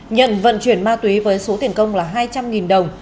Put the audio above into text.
nhận vận chuyển ma túy với số tiền công là hai trăm linh đồng